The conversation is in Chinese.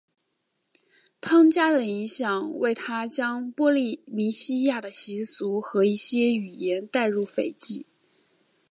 汤加的影响为他将波利尼西亚的习俗和一些语言带入斐济。